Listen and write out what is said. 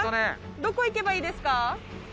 どこ行けばいいですか？